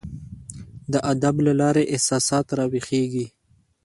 د ادب له لاري احساسات راویښیږي.